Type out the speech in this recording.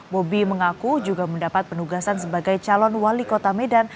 bobi mengaku juga mendapat penugasan sebagai calon wali kota medan